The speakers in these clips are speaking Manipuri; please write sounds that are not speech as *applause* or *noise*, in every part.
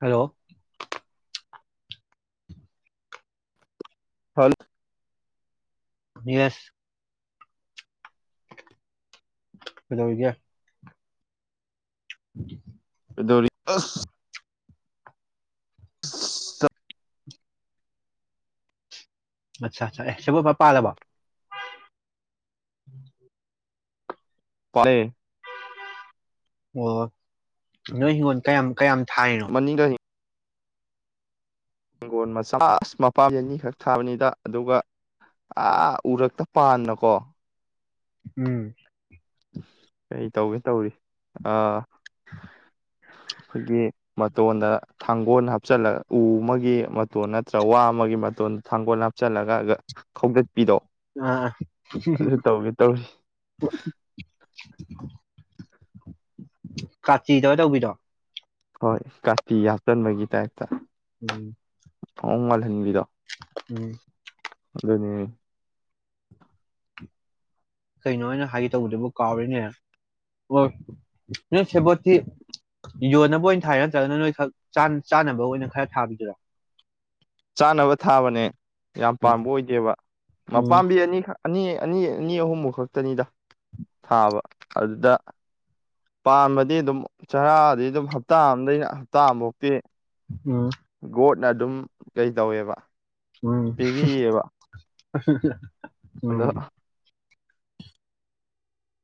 ꯍꯜꯂꯣ ꯍꯜ ꯌꯦꯁ ꯀꯩꯗꯧꯔꯤꯒꯦ *inaudible* ꯀꯗꯧꯔꯤ ꯑꯁ ꯆꯠ ꯃꯆꯥ ꯆꯥꯛꯑꯦ ꯁꯦꯕꯣꯠ ꯐ ꯄꯥꯜꯂꯕꯣ ꯄꯥꯂꯦ ꯑꯣ ꯅꯣꯏ ꯍꯤꯡꯒꯣꯟ ꯀꯌꯥꯝ ꯀꯌꯥꯝ ꯊꯥꯏꯅꯣ ꯃꯅꯤꯡꯗꯍ ꯍꯤꯡꯒꯣꯟ ꯃꯆꯥ ꯑꯁ ꯃꯄꯥꯝꯕꯤ ꯑꯅꯤꯈꯛ ꯊꯥꯕꯅꯤꯗ ꯑꯗꯨꯒ ꯑꯥ ꯎꯔꯛꯇ ꯄꯥꯟꯅꯕꯀꯣ ꯎꯝ ꯀꯩ ꯇꯧꯒꯦ ꯇꯧꯔꯤ ꯑꯥ ꯈꯣꯏꯒꯤ ꯃꯇꯣꯟꯗ ꯊꯥꯡꯒꯣꯟ ꯍꯥꯞꯆꯜꯂ ꯎ ꯑꯃꯒꯤ ꯃꯇꯣꯟ ꯅꯠꯇ꯭ꯔ ꯋꯥ ꯑꯃꯒꯤ ꯃꯇꯣꯟꯗ ꯊꯥꯡꯒꯣꯟ ꯍꯥꯞꯆꯜꯂꯒ ꯈꯥꯎꯗꯠ ꯄꯤꯗꯣ ꯑꯥ ꯑꯗꯨ ꯇꯧꯒꯦ ꯇꯧꯖ *inaudible* ꯀꯥꯆꯤꯗꯧꯔ ꯇꯧꯕꯤꯗꯣ ꯍꯣꯏ ꯀꯥꯇꯤ ꯍꯥꯞꯆꯟꯕꯒꯤ ꯇꯥꯏꯞꯇ ꯎꯝ ꯃꯣꯡ ꯃꯥꯜꯍꯟꯕꯤꯗꯣ ꯎꯝ ꯑꯗꯨꯅꯤ ꯀꯩꯅꯣ ꯑꯣꯏꯅ ꯍꯥꯏꯒꯦ ꯇꯧꯕꯗꯨꯕꯨ ꯀꯥꯎꯔꯦꯅꯦ ꯑꯣ ꯅꯣꯏ ꯁꯦꯕꯣꯠꯇꯤ ꯌꯣꯟꯅꯕ ꯑꯣꯏꯅ ꯊꯥꯏꯔ ꯅꯠꯇ꯭ꯔꯒꯅ ꯅꯣꯏꯈꯛ ꯆꯥꯅꯕ ꯑꯣꯏꯅ ꯈꯔ ꯊꯥꯕꯤꯗꯨꯔ ꯆꯥꯅꯕ ꯊꯥꯕꯅꯦ ꯌꯥꯝ ꯎꯝ ꯄꯥꯟꯕ ꯑꯣꯏꯗꯦꯕ ꯎꯝ ꯃꯄꯥꯝꯕꯤ ꯑꯅꯤꯈꯛ ꯑꯅꯤ ꯑꯅꯤ ꯑꯅꯤ ꯑꯍꯨꯝꯃꯨꯛ ꯈꯛꯇꯅꯤꯗ ꯊꯥꯕ ꯑꯗꯨꯗ ꯄꯥꯟꯕꯗꯤ ꯑꯗꯨꯝ ꯆꯔꯥꯗꯤ ꯑꯗꯨꯝ ꯍꯞꯇꯥ ꯗꯩꯅ ꯍꯞꯇꯥ ꯑꯝꯕꯣ ꯇꯦ ꯎꯝ ꯒꯣꯠ ꯅ ꯑꯗꯨꯝ ꯀꯩ ꯇꯧꯋꯦꯕ ꯎꯝ ꯍꯨꯝ *unintelligible* ꯑꯗꯣ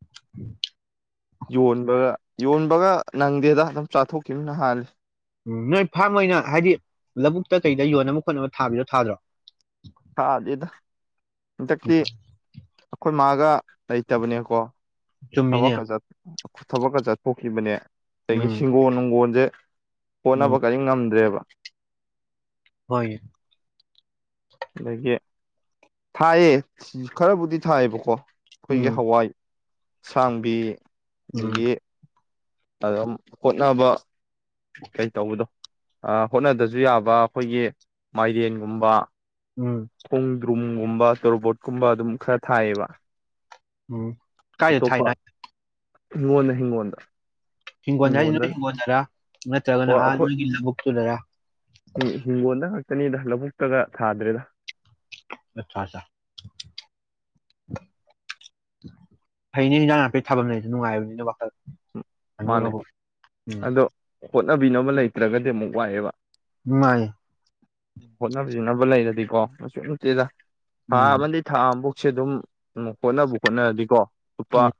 *inaudible* ꯌꯣꯟꯕꯒ ꯌꯣꯟꯕꯒ ꯅꯪꯗꯦꯗ ꯑꯗꯨꯝ ꯆꯥꯊꯣꯛꯈꯤꯕꯅ ꯍꯥꯜꯂꯤ ꯎꯝ ꯅꯣꯏ ꯐꯥꯔꯝ ꯑꯣꯏꯅ ꯍꯥꯏꯗꯤ ꯂꯧꯕꯨꯛꯇ ꯀꯩꯗ ꯌꯣꯟꯅꯕ ꯈꯣꯠꯅꯕ ꯊꯥꯕꯤꯗꯣ ꯊꯥꯗ꯭ꯔꯣ ꯊꯥꯗꯦꯗ ꯍꯟꯗꯛꯇꯤ ꯑꯩꯈꯣꯏ ꯃꯥꯒ ꯂꯩꯇꯕꯅꯦꯀꯣ ꯆꯨꯝꯃꯤꯅꯦ ꯊꯕꯛꯀ ꯆꯠ ꯊꯕꯛꯀ ꯆꯠ ꯊꯣꯛꯈꯤꯕꯅꯦ ꯑꯗꯒꯤ ꯎꯝ ꯍꯤꯡꯒꯣꯟ ꯅꯨꯡꯒꯣꯟꯁꯦ ꯍꯣꯠꯅꯕ ꯎꯝ ꯀꯔꯤ ꯉꯝꯗ꯭ꯔꯦꯕ ꯍꯣꯏ ꯑꯗꯒꯤ ꯊꯥꯏꯌꯦ ꯈꯔꯕꯨꯗꯤ ꯊꯥꯏꯌꯦꯕꯀꯣ ꯍꯣꯏꯒꯦ ꯎꯝ ꯍꯋꯥꯏ ꯁꯥꯡꯕꯤ ꯎꯝ ꯑꯗꯒꯤ ꯑꯗꯨꯝ ꯍꯣꯠꯅꯕ ꯀꯩ ꯇꯧꯕꯗꯣ ꯑꯥ ꯍꯣꯠꯅꯗꯁꯨ ꯌꯥꯕ ꯑꯩꯈꯣꯏꯒꯤ ꯃꯥꯏꯔꯦꯟꯒꯨꯝꯕ ꯎꯝ ꯔꯨꯝꯒꯨꯝꯕ ꯇꯣꯔꯣꯕꯣꯠꯀꯨꯝꯕ ꯑꯗꯨꯝ ꯈꯔ ꯊꯥꯏꯑꯦꯕ ꯎꯝ ꯀꯥꯏꯗ ꯊꯥꯏ ꯅ ꯍꯤꯉꯣꯟꯗ ꯍꯤꯉꯣꯟꯗ ꯍꯤꯡꯒꯣꯟꯜꯗ ꯍꯥꯏꯁꯤ ꯅꯣꯏ ꯍꯤꯡꯒꯣꯟꯗꯔꯥ ꯅꯠꯇ꯭ꯔꯒꯅ ꯍꯣꯏ ꯑꯥ ꯃꯤꯒꯤ ꯂꯧꯕꯨꯛꯇꯨꯗꯔ ꯅꯤꯗ ꯂꯧꯕꯨꯛꯇꯒ ꯊꯥꯗ꯭ꯔꯦꯗ ꯑꯠꯆꯥ ꯑꯠꯆꯥ ꯐꯩꯅꯦ ꯏꯟꯖꯥꯡ ꯅꯥꯄꯤ ꯊꯥꯐꯝ ꯂꯩꯗꯨ ꯅꯨꯡꯉꯥꯏꯕꯅꯤꯅꯦ ꯋꯥꯈꯜ ꯃꯥꯅꯦ *unintelligible* ꯎꯝ ꯑꯗꯣ ꯍꯣꯠꯅꯕꯤꯅꯕ ꯂꯩꯇ꯭ꯔꯒꯗꯤ ꯑꯃꯨꯛ ꯋꯥꯏꯑꯦꯕ ꯃꯥꯅꯦ ꯍꯣꯠꯅꯕꯤꯅꯕ ꯂꯩꯔꯗꯤꯀꯣ ꯑꯁꯨ ꯅꯠꯇꯦꯗ ꯊꯥ ꯎꯝ ꯑꯃꯗꯤ ꯊꯥ ꯑꯝꯕꯨ ꯁꯦ ꯑꯗꯨꯝ ꯍꯣꯠꯅꯕꯨ ꯍꯣꯠꯅꯔꯗꯤ ꯀꯣ ꯎꯄꯥ ꯎꯝ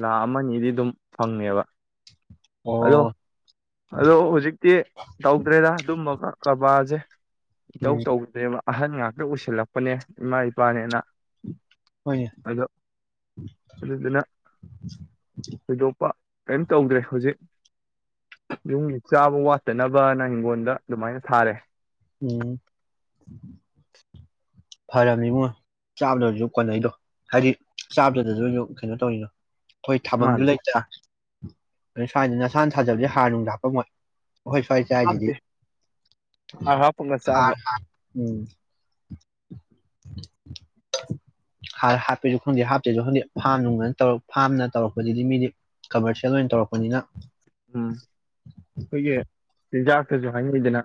ꯂꯥꯛ ꯑꯃ ꯅꯤꯗꯤꯗꯨꯝ ꯐꯪꯉꯦꯕ ꯑꯗꯣ ꯑꯣ ꯑꯗꯣ ꯍꯧꯖꯤꯛꯇꯤ ꯇꯧꯗ꯭ꯔꯦꯗ ꯗꯨꯝꯕꯒ ꯀꯕꯥꯔꯖꯦ ꯎꯝ ꯏꯇꯧ ꯇꯧꯗꯦꯕ ꯑꯍꯟ ꯉꯥꯛꯇ ꯎꯁꯤꯜꯂꯛꯄꯅꯦ ꯏꯃꯥ ꯏꯄꯥꯅꯦꯅ ꯍꯣꯏꯅꯦ ꯑꯗꯣ ꯑꯗꯨꯗꯨꯅ ꯊꯣꯏꯗꯣꯛꯄ ꯀꯔꯤꯝ ꯇꯧꯗ꯭ꯔꯦ ꯍꯧꯖꯤꯛ ꯌꯨꯝꯒꯤ ꯆꯥꯕ ꯋꯥꯠꯇꯅꯕꯅ ꯍꯤꯡꯒꯣꯟꯗ ꯑꯗꯨꯃꯥꯏꯅ ꯊꯥꯔꯦ ꯎꯝ ꯐꯔꯕꯅꯤ ꯏꯉꯣ ꯆꯥꯕꯗ ꯑꯣꯢꯁꯨ ꯀꯣꯟꯅꯩꯗꯣ ꯍꯥꯏꯗꯤ ꯆꯥꯕꯗꯗꯁꯨ ꯀꯩꯅꯣ ꯇꯧꯔꯤꯗꯣ ꯑꯩꯈꯣꯏ ꯊꯥꯕꯝꯁꯨ ꯃꯥꯅꯦ ꯂꯩꯇꯥ ꯑꯗꯩ ꯁꯥꯏꯗꯅ ꯅꯁꯥꯅ ꯊꯥꯖꯕꯗꯤ ꯍꯥꯔ ꯅꯨꯡꯁꯨ ꯍꯥꯞꯄꯝꯃꯣꯏ ꯈꯣꯏ ꯁ꯭ꯋꯥꯏ ꯆꯥꯏꯁꯤꯗꯤ ꯥꯍꯥꯔ ꯍꯥꯞꯄꯉ ꯆꯥꯕ ꯍꯥꯔ ꯎꯝ ꯍꯥꯞꯄꯦꯁꯨ ꯈꯪꯗꯦ ꯍꯥꯞꯇꯦꯁꯨ ꯈꯪꯗꯦ ꯐꯥꯝ ꯅꯨꯡꯅ ꯇꯧꯔ ꯐꯥꯝꯅ ꯇꯧꯔꯛꯄꯗꯨꯗꯤ ꯃꯤꯗꯤ ꯀꯃꯔꯁꯤꯌꯦꯜ ꯑꯣꯏꯅ ꯇꯧꯔꯛꯄꯅꯤꯅ ꯎꯝ ꯑꯩꯈꯣꯏꯒꯤ ꯆꯤꯟꯖꯥꯛꯇꯁꯨ ꯍꯥꯏꯅꯩꯗꯅ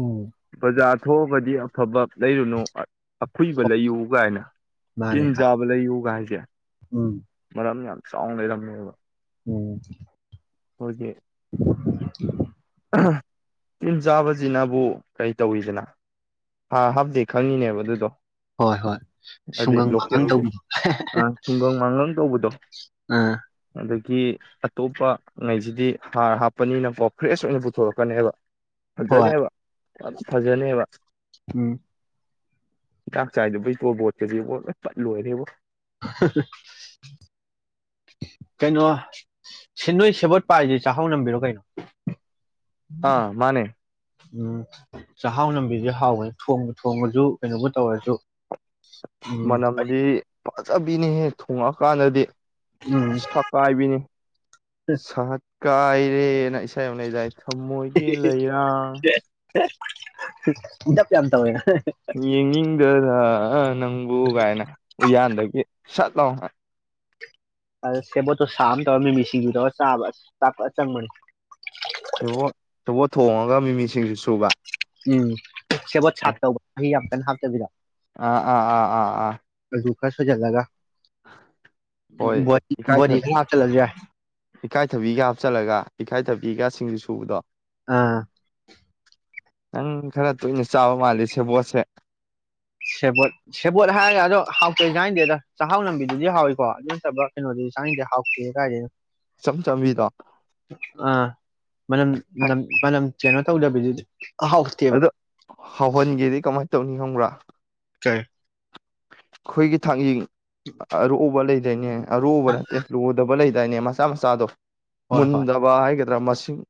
ꯎꯝ ꯕꯖꯥꯔ ꯊꯣꯛꯑꯒꯗꯤ ꯑꯝ ꯐꯕꯞ ꯂꯩꯔꯨꯅꯨ ꯑ ꯑꯈꯨꯏꯕ ꯂꯩꯌꯨ ꯀꯥꯏꯅ ꯃꯥꯅꯦ ꯇꯤꯟ ꯆꯥꯕ ꯂꯩꯎꯒꯥꯏ *inaudible* ꯎꯝ ꯑꯝ ꯌꯥꯝ ꯆꯥꯎꯅ ꯂꯩꯔꯝꯃꯦꯕ ꯎꯝ ꯍꯣꯗꯦ *inaudible* ꯑꯥ ꯇꯤꯟ ꯆꯥꯕꯁꯤꯅꯕꯨ ꯀꯔꯤ ꯇꯧꯋꯤꯗꯅ ꯍꯥꯔ ꯍꯥꯞꯇꯦ ꯈꯪꯉꯤꯅꯦꯕ ꯑꯗꯨꯗꯣ ꯍꯣꯏ ꯍꯣꯏ ꯍꯥꯏꯗꯤ ꯁꯨꯡꯒꯪ ꯃꯒꯪ ꯂꯣꯀꯦꯜꯒꯤ ꯇꯧꯕꯤꯗꯣ ꯍꯦ ꯑ ꯍꯦ ꯇꯨꯡꯒꯪ ꯃꯥꯡꯒꯪ ꯍꯦ ꯑꯥ ꯀꯤ ꯑꯇꯣꯞꯄ ꯉꯩꯁꯤꯗꯤ ꯍꯥꯔ ꯍꯥꯞꯄꯅꯤꯅꯀꯣ ꯐ꯭ꯔꯦꯁ ꯑꯣꯏꯅ ꯄꯨꯊꯣꯔꯛꯀꯅꯤꯕ ꯍꯣꯏ ꯐꯖꯗꯦꯕ ꯍꯥꯏꯕ ꯑꯖ ꯐꯖꯅꯦꯕ ꯎꯝ ꯍꯤꯗꯥꯛ ꯆꯥꯏꯗꯕꯩ ꯇꯣꯔꯕꯣꯠꯇꯨꯗꯤ ꯑꯣ ꯂꯣꯏ ꯄꯠ ꯂꯣꯢꯔꯦꯕꯣ ꯑꯍꯥꯍ ꯀꯩꯅꯣ ꯁꯤꯟꯗꯣꯏ ꯁꯦꯕꯣꯠ ꯄꯥꯏꯂꯤꯖꯦꯠꯆꯥꯛꯍꯧ ꯅꯝꯕꯤꯔꯣ ꯀꯩꯅꯣ ꯑꯥ ꯃꯥꯅꯦ ꯎꯝ ꯆꯥꯛꯍꯥꯎ ꯅꯝꯕꯤꯗꯨꯗꯤ ꯍꯥꯎꯕꯅꯤ ꯊꯣꯡꯕꯨ ꯊꯣꯡꯉꯁꯨ ꯀꯩꯅꯣꯕꯨ ꯇꯧꯔꯁꯨ ꯎꯝ ꯃꯅꯝꯗꯤ ꯐꯖꯕ ꯄꯤꯅꯤꯍꯦ ꯊꯣꯡꯉꯛꯑꯀꯥꯟꯗꯗꯤ ꯎꯝ ꯁꯛ ꯍꯥꯏꯕꯤꯅꯦ ꯁꯥꯠ ꯀꯥꯏꯔꯦꯅ ꯏꯁꯩ ꯑꯃ ꯂꯩꯗꯥꯏꯅꯦ ꯊꯃꯣꯏꯒꯤ ꯂꯩꯔꯥꯡ ꯙꯄ ꯌꯥꯝ ꯇꯧꯋꯦ ꯌꯦꯡꯅꯤꯡꯗꯔ ꯅꯪꯕꯨ ꯀꯥꯏꯅ ꯎꯌꯥꯟꯗꯒꯤ ꯁꯠ ꯂꯥꯎ ꯁꯦꯕꯣꯠꯇꯣ ꯁꯥꯛ ꯑꯃ ꯇꯧꯔꯒ ꯃꯤꯃꯤ ꯁꯤꯡꯖꯨ ꯇꯧꯔ ꯆꯥꯕ ꯆꯥꯛ ꯐꯖꯅ ꯆꯪꯕꯤꯅꯤ ꯁꯦꯕꯣꯠ ꯊꯣꯡꯉꯒ ꯃꯤꯃꯤꯁꯤꯡꯖꯨ ꯁꯨꯕ ꯎꯝ ꯁꯦꯕꯣꯠ ꯁꯥꯛ ꯑꯦ ꯇꯧꯕ ꯃꯤ ꯌꯥꯝ ꯀꯩꯝ ꯍꯥꯞꯇꯕꯤꯗ ꯑꯥ ꯑꯥ ꯑꯥ ꯑꯥ ꯑꯥ ꯗꯨꯀ ꯁꯣꯏꯖꯂꯒ ꯍꯣꯏ ꯏꯀꯥꯏ ꯕꯣꯔꯤ ꯈꯔ ꯍꯥꯞꯆꯜꯂꯁꯨ ꯌꯥꯏ ꯏꯀꯥꯏꯊꯕꯤꯒ ꯍꯥꯞꯆꯜꯂꯒ ꯏꯀꯥꯏꯊꯕꯤꯒ ꯁꯤ ꯁꯤꯡꯖꯨ ꯁꯨꯕꯗꯣ ꯑꯥ ꯅꯪ ꯈꯔ ꯇꯣꯏꯅ ꯆꯥꯕ ꯃꯥꯜꯂꯤ ꯁꯦꯕꯣꯠꯁꯦ ꯁꯦꯕꯣꯠ ꯁꯦꯕꯣꯠ ꯍꯥꯏꯔꯒ ꯑꯗꯣ ꯍꯥꯎꯇꯦ ꯆꯥꯅꯤꯡꯗꯦꯗ ꯆꯥꯛꯍꯥꯎ ꯅꯝꯕꯤꯗꯨꯗꯤ ꯍꯥꯎꯏꯀꯣ ꯑꯗꯨ ꯅꯠꯇꯕ ꯀꯩꯅꯣꯗꯨꯗꯤ ꯆꯪꯅꯤꯡꯗꯦ ꯍꯥꯎꯇꯦ ꯀꯥꯏꯗꯩꯅꯣ ꯏꯆꯝ ꯆꯝꯕꯤꯗꯣ ꯑꯥ ꯃꯅꯝ ꯍꯥꯏ ꯅꯝ ꯃꯅꯝ ꯀꯩꯅꯣ ꯇꯧꯗꯕꯤꯗꯨꯗꯤ ꯍꯥꯎꯇꯦꯕ ꯑꯗꯣ ꯍꯧꯍꯟꯒꯦꯗꯤ ꯀꯃꯥꯏꯅ ꯇꯧꯅꯤ ꯊꯣꯡꯕ꯭ꯔꯥ ꯀꯩ ꯑꯩꯈꯣꯏꯒꯤ ꯊꯥꯡꯖꯤꯡ ꯑꯔꯣꯕ ꯂꯩ ꯗꯦꯅꯦ ꯑꯔꯣꯕ ꯆꯠꯇꯦ ꯂꯣꯗꯕ ꯂꯩ ꯗꯅꯦ ꯃꯆꯥ ꯃꯆꯥꯗꯣ ꯍꯣꯏ ꯍꯣꯏ ꯃꯨꯟꯗꯕ ꯍꯥꯏꯒ ꯗ ꯃꯁꯤꯡ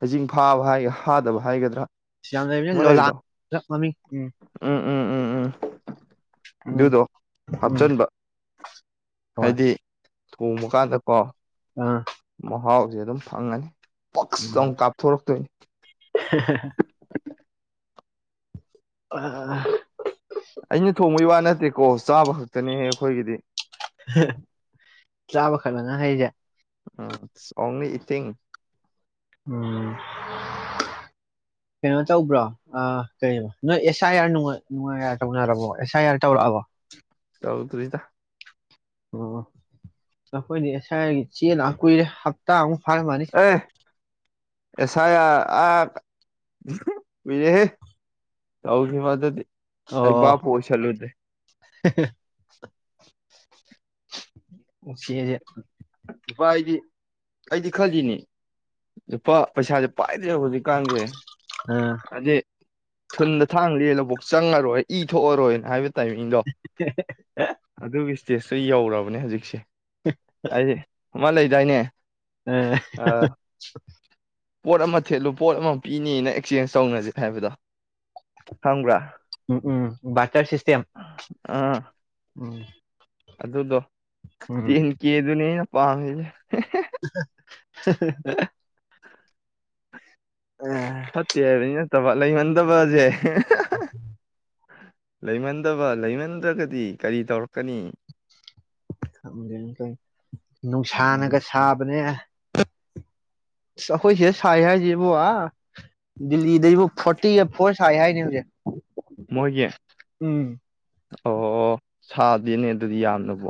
ꯍꯩꯖꯤꯡ ꯐꯥꯕ ꯍꯥꯏꯔ ꯐꯥꯗꯕ ꯍꯥꯏꯒꯗ꯭ꯔꯥ ꯌꯥꯝꯂꯩꯕꯅꯦ ꯑꯃ ꯂꯩꯕꯗꯣ ꯂꯣꯂꯥꯡꯒ ꯃꯝꯤꯡ ꯎꯝ ꯎꯝ ꯎꯝ ꯎꯝ ꯎꯝ ꯎꯝ ꯑꯗꯨꯗꯣ ꯎꯝ ꯍꯥꯞꯆꯤꯟꯕ ꯍꯣꯏ ꯍꯥꯏꯗꯤ ꯊꯣꯡꯕ ꯀꯥꯟꯗ ꯀꯣ ꯑꯥ ꯃꯍꯥꯎꯁꯦ ꯑꯗꯨꯝ ꯐꯪꯉꯅꯤ ꯄꯛꯁ ꯂꯥꯎ ꯀꯥꯞꯊꯣꯔꯛꯇꯣꯏꯅꯤ *unintelligible* ꯑꯥ ꯑꯩꯅ ꯊꯣꯡꯕꯒꯤ ꯋꯥ ꯅꯠꯇ ꯅꯠꯇꯦꯀꯣ ꯆꯥꯕ ꯈꯛꯇꯅꯤꯍꯦ ꯑꯩꯈꯣꯏꯒꯤꯗꯤ ꯆꯥꯕ ꯈꯛꯂ ꯅꯪ ꯈꯩꯁꯦ ꯎꯝ ꯑꯣꯡꯂꯤ ꯏꯇꯤꯡ ꯎꯝ ꯀꯩꯅꯣ ꯇꯧꯕ꯭ꯔꯣ ꯀꯩꯅꯣ ꯅꯣꯏ ꯑꯦꯁ ꯑꯥꯏ ꯑꯥꯔ ꯅꯨꯡꯉꯥꯏ ꯇꯧꯅꯔꯕꯣ ꯑꯦꯁ ꯑꯥꯏ ꯑꯥꯔ ꯇꯧꯔꯛ ꯑꯕꯣ ꯇꯧꯗ꯭ꯔꯤꯗ ꯑꯣ ꯑꯩꯈꯣꯏꯗꯤ ꯑꯦꯁꯥꯏꯒꯤ ꯆꯦꯅ ꯀꯨꯏꯔꯦ ꯍꯞꯇꯥꯃꯨꯛ ꯐꯥꯔꯝꯃꯅꯤ ꯑꯦ ꯑꯦꯁ ꯑꯥꯏ ꯑꯔ *unintelligible* ꯑꯩ ꯚꯥꯞꯄꯨ ꯑꯣꯏꯁꯜ ꯂꯨꯗꯦ ꯍꯦ ꯍꯦ *inaudible* ꯅꯨꯄꯥ ꯑꯩꯗꯤ *unintelligible* ꯑꯩꯗꯤ ꯈꯜꯂꯤꯅꯦ ꯂꯨꯄꯥ ꯄꯩꯁꯥꯁꯦ ꯄꯥꯏꯗ꯭ꯔꯦꯕ ꯍꯧꯖꯤꯛ ꯀꯥꯟꯁꯦ ꯑ ꯍꯥꯏꯗꯤ ꯊꯨꯟꯗ ꯊꯥꯡꯅ ꯂꯦꯜꯂꯕꯧ ꯆꯪꯉꯔꯣꯏ ꯏ ꯊꯣꯛ ꯑꯔꯣꯏꯅ ꯍꯥꯏ ꯇꯥꯏꯃꯤꯡꯗꯣ ꯑꯗꯨꯒꯤ ꯁꯇꯦꯁ ꯁꯤ ꯌꯧꯔꯕꯅꯦ ꯍꯧꯖꯤꯛꯁꯦ ꯍꯥꯏꯗꯤ ꯑꯃ ꯂꯩꯗꯅ ꯌꯥꯏꯅꯦ *unintelligible* ꯄꯣꯠ ꯑꯃ ꯊꯦꯠꯂꯨ ꯄꯣꯠ ꯑꯃ ꯄꯤꯅꯦꯅ ꯑꯦꯛꯆꯦꯟꯁ ꯇꯧꯅꯁꯦ ꯍꯥꯏꯕꯗꯣ ꯈꯪꯕ꯭ꯔꯥ ꯎꯝ ꯎꯝ ꯕꯇꯔ ꯁꯤꯁꯇꯦꯝ ꯑꯥ ꯎꯝ ꯑꯗꯨꯗꯣ ꯎꯝ ꯇꯦꯟ ꯀꯦ ꯑꯩꯅ ꯄꯥꯝꯃꯤꯅ *unintelligible* ꯑ ꯐꯠꯇꯦ ꯍꯥꯏꯕꯗꯤ ꯅꯠꯇꯕ ꯂꯩꯃꯟꯗꯕꯁꯦ *inaudible* ꯂꯩꯃꯟꯗꯕ ꯂꯩꯃꯟꯗ꯭ꯔꯒꯗꯤ ꯀꯔꯤ ꯇꯧꯔꯛꯀꯅꯤ ꯈꯪꯗꯦꯅꯦ ꯇꯧꯔꯤꯁꯦ ꯎꯝ ꯅꯨꯡꯁꯥꯅꯒ ꯁꯥꯕꯅꯦ ꯑꯩꯈꯣꯏ ꯁꯤꯗ ꯁꯥꯏ ꯍꯥꯏꯁꯤ ꯑ ꯗꯦꯜꯂꯤꯗ ꯕꯨ ꯐꯣꯔꯇꯤꯒ ꯐꯣꯔ ꯁꯥꯏ ꯍꯥꯏꯅꯦ ꯍꯧꯖꯤꯛ ꯃꯣꯏꯒꯤ ꯎꯝ ꯑꯣ ꯁꯥꯗꯦꯅꯦ ꯑꯗꯨꯗꯤ ꯌꯥꯝꯅꯕꯣ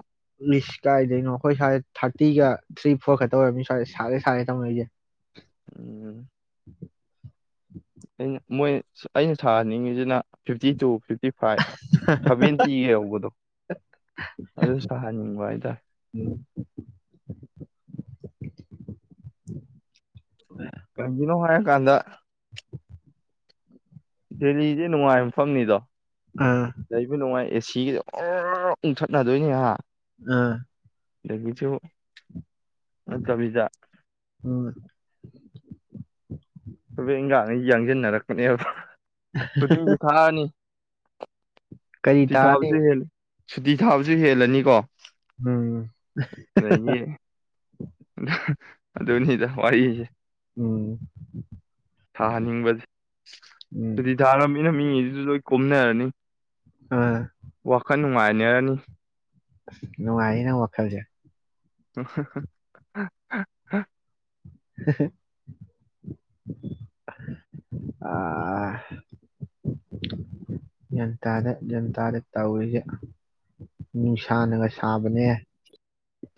ꯏꯁ ꯀꯥꯏꯗꯩꯅꯣ ꯈꯣꯏ ꯁ꯭ꯋꯥꯏ ꯊꯥꯔꯇꯤꯒ ꯊ꯭ꯔꯤ ꯐꯣꯔ ꯈꯛꯇ ꯑꯣꯏꯔꯝꯅꯤ ꯁ꯭ꯋꯥꯏꯗ ꯁꯥꯔꯦ ꯁꯥꯔꯦ ꯇꯧꯅꯩꯖꯦ ꯎꯝ *inaudible* ꯑꯩꯅ ꯃꯣꯏ ꯑꯩꯅ ꯁꯥꯍꯟꯅꯤꯡꯉꯤꯖꯤꯅ ꯐꯤꯐꯇꯤ ꯇꯨ ꯐꯤꯐ ꯐꯤꯐꯇꯤ ꯐꯥꯏꯚ ꯁꯚꯦꯟꯇꯤꯒ ꯌꯧꯕꯗꯣ ꯑꯗꯨ ꯁꯥꯍꯟꯅꯤꯡꯕ ꯍꯥꯏꯇꯥꯔꯦ ꯀꯩꯒꯤꯅꯣ ꯍꯥꯏ ꯀꯥꯟꯗ ꯗꯦꯜꯂꯤꯖꯦ ꯅꯨꯡꯉꯥꯏꯕ ꯃꯐꯝꯅꯤꯗꯣ ꯑꯥ ꯑꯦꯁꯤꯒꯖꯦ ꯑꯣꯔꯣꯔꯣ ꯎꯪꯊꯠꯅꯗꯣꯏꯅꯦ ꯍꯥ ꯑ *unintelligible* ꯅꯠꯇꯕꯤꯗ ꯎꯝ ꯊꯕꯛ ꯏꯟꯒꯥꯥꯡꯒꯩ ꯌꯥꯡꯖꯤꯟꯅꯔꯛꯀꯅꯦꯕ ꯁꯨꯇꯤꯖꯨ ꯊꯥꯔꯅꯤ ꯀꯔꯤ ꯇꯥꯔꯅꯤ *unintelligible* ꯁꯨꯇꯤ ꯊꯥꯕꯁꯨ ꯍꯦꯜꯂꯅꯤꯀꯣ ꯎꯝ ꯍ ꯍ ꯍ ꯍ ꯑꯗꯨꯅꯤꯗ ꯋꯥꯔꯤꯖꯦ ꯎꯝ ꯊꯥꯍꯟꯅꯤꯡꯕꯖꯦ ꯎꯝ ꯁꯨꯇꯤ ꯊꯥꯔꯝꯃꯤ ꯅ ꯃꯤꯒꯩꯖꯨ ꯂꯣꯏ ꯀꯣꯝꯅꯔꯅꯤ ꯍ ꯋꯥꯈꯜ ꯅꯨꯡꯉꯥꯏꯅꯔꯅꯤ ꯑꯁ ꯅꯨꯉꯥꯏꯅꯦ ꯅꯪ ꯋꯥꯈꯜꯖꯦ ꯍ ꯍ ꯍ ꯍ ꯍ ꯍ ꯑꯑ ꯒ꯭ꯌꯥꯟꯇꯥꯗꯦ ꯒ꯭ꯌꯥꯟꯇꯥꯗꯦ ꯇꯧꯔꯤꯖꯦ ꯅꯨꯡꯁꯥꯅꯒ ꯁꯥꯕꯅꯦ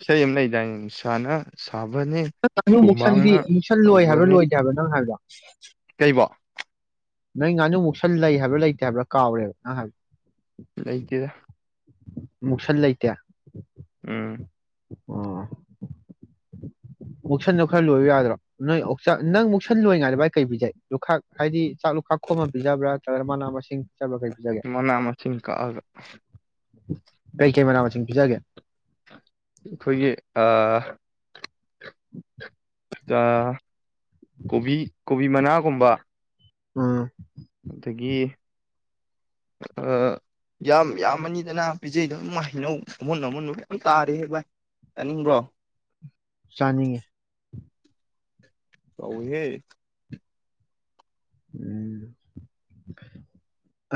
ꯏꯁꯩ ꯑꯃ ꯂꯩꯗꯥꯏꯅꯦ ꯅꯨꯡꯁꯥꯅ ꯁꯥꯕꯅꯦ ꯃꯨꯛꯁꯟꯗꯤ ꯍꯨꯃꯥꯡꯅ ꯃꯨꯛꯁꯟ ꯂꯣꯏ ꯍꯥꯏꯕ꯭ꯔꯥ ꯇꯧꯕꯅꯤ ꯂꯣꯏꯗꯦ ꯍꯥꯏꯕ꯭ꯔ ꯅꯪ ꯍꯥꯏꯕꯗꯣ ꯀꯩꯕꯣ ꯅꯪ ꯉꯥꯅꯨ ꯃꯨꯛꯁꯟ ꯂꯩ ꯍꯥꯏꯕ꯭ꯔꯥ ꯂꯩꯇꯦ ꯍꯥꯏꯕ꯭ꯔꯥ ꯀꯥꯎꯔꯦꯕ ꯅꯪ ꯍꯥꯏꯕ ꯂꯩꯇꯦꯗ ꯃꯨꯛꯁꯟ ꯂꯩꯇꯦ ꯎꯝ ꯑꯣ ꯑꯣ ꯃꯨꯛꯁꯟꯗꯣ ꯈꯔ ꯂꯣꯏꯌꯣ ꯌꯥꯗ꯭ꯔꯣ ꯅꯣꯏ ꯑꯣꯛꯆꯥꯛ ꯅꯪ ꯃꯨꯛꯁꯟ ꯂꯣꯏꯉꯩꯗ ꯚꯥꯏ ꯀꯩ ꯄꯤꯖꯩ ꯂꯨꯈꯥꯛ ꯍꯥꯏꯗꯤ ꯆꯥꯛ ꯂꯨꯈꯥꯛ ꯈꯣꯝ ꯄꯤꯖꯕ꯭ꯔꯥ ꯅꯠꯇ꯭ꯔꯒ ꯃꯅꯥ ꯃꯁꯤꯡ ꯄꯤꯖꯕ꯭ꯔꯥ ꯀꯩ ꯄꯤꯖꯒꯦ ꯃꯅꯥ ꯃꯁꯤꯡ ꯀꯛꯑꯒ ꯀꯩ ꯀꯩ ꯃꯅꯥꯥ ꯃꯁꯤꯡ ꯄꯤꯖꯒꯦ ꯑꯩꯈꯣꯏꯒꯤ ꯑꯑ ꯀ ꯀꯣꯕꯤ ꯀꯣꯕꯤ ꯃꯅꯥꯒꯨꯝꯕ ꯎꯝ ꯑꯗꯒꯤ ꯑ ꯌꯥꯝ ꯌꯥꯝꯃꯅꯤꯗꯅ ꯄꯤꯖꯩꯗꯅ ꯏꯃꯥ ꯍꯩꯅꯧ ꯑꯃꯨꯟ ꯑꯃꯨꯟꯕ ꯃꯌꯥꯝ ꯇꯥꯔꯦꯍꯦ ꯚꯥꯏ ꯆꯥꯅꯤꯡꯕ꯭ꯔꯣ ꯆꯥꯅꯤꯡꯉꯦ ꯇꯧꯢꯍꯦ ꯎꯝ ꯍ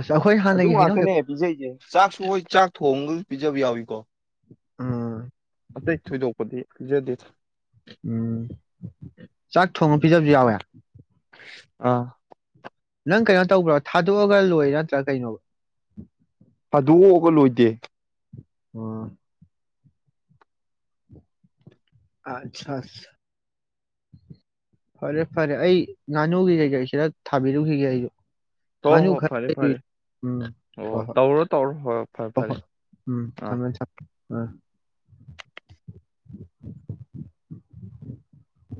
ꯑꯁ ꯑꯩꯈꯣꯏꯒꯤ ꯑꯗꯨ ꯍꯥꯟꯅꯒꯤ ꯍꯩꯅꯧ ꯉꯥꯛꯇꯅꯦ ꯍꯦꯛ ꯄꯤꯖꯩꯁꯦ ꯆꯥꯛꯁꯨ ꯍꯣꯏ ꯆꯥꯛ ꯊꯣꯡꯉꯒꯁꯨ ꯄꯤꯖꯕ ꯌꯥꯎꯏꯀꯣ ꯎꯝ ꯄꯤꯖꯗꯦꯗ ꯎꯝ ꯆꯥꯛ ꯊꯣꯡꯉ ꯄꯤꯖꯕꯁꯨ ꯌꯥꯎꯋꯦ ꯑꯥ ꯅꯪ ꯀꯩꯅꯣ ꯇꯧꯕ꯭ꯔꯣ ꯊꯥꯗꯣꯛꯑꯒ ꯂꯣꯏꯔ ꯅꯠꯇ꯭ꯔꯥ ꯀꯩꯅꯣꯕ ꯊꯥꯗꯣꯛꯑꯒ ꯂꯣꯏꯗꯦ ꯑꯣ ꯑꯠꯁꯥ ꯁꯥ ꯐꯔꯦ ꯐꯔꯦ ꯑꯩ ꯉꯥꯅꯨꯒꯤ ꯀꯩ ꯀꯩ ꯁꯤꯗ ꯊꯥꯕꯤꯔꯨꯈꯤꯒꯦ ꯑꯩꯁꯨ ꯍꯣ ꯉꯥꯅꯨ ꯍꯣ ꯈꯔ ꯐꯔꯦ ꯂꯩꯔꯨꯏ ꯐꯔꯦ ꯎꯝ ꯑꯣ ꯍꯣꯏ ꯍꯣꯏ ꯇꯧꯔꯣ ꯇꯧꯔꯣ ꯍꯣꯏ ꯍꯣꯏ ꯐꯔꯦ ꯐꯔꯦ ꯎꯝ ꯑꯥ ꯊꯝꯃꯦ ꯊꯝꯃꯦ ꯑꯥ *unintelligible*